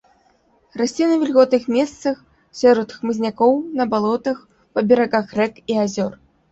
Расце на вільготных месцах, сярод хмызнякоў, на балотах, па берагах рэк і азёр.